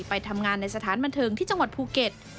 ไปทำงานในสถานบันเทิงที่จังหวัดภูเก็ต